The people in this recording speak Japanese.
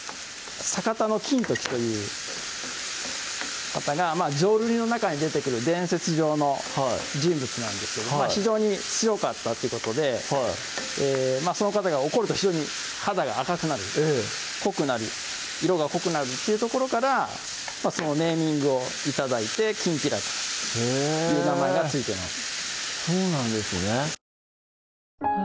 坂田金時という方が浄瑠璃の中に出てくる伝説上の人物なんですけど非常に強かったということではいその方が怒ると非常に肌が赤くなる濃くなる色が濃くなるというところからそのネーミングを頂いてきんぴらという名前が付いてます